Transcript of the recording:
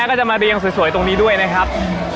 แล้วก็จะมาเรียงสวยตรงนี้ด้วยนะครับ